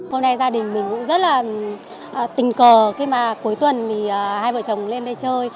hôm nay gia đình mình cũng rất là tình cờ khi mà cuối tuần thì hai vợ chồng lên đây chơi